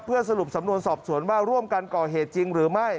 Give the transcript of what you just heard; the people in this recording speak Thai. เพื่อสรุปสำนวนสอบสวนว่าร่วมกันก่อเหตุจริงหรือไม่